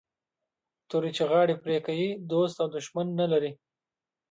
توري چي غاړي پرې کوي دوست او دښمن نه لري